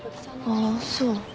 ああそう。